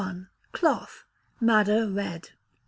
Cloth (Madder Red).